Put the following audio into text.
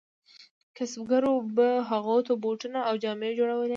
کسبګرو به هغو ته بوټونه او جامې جوړولې.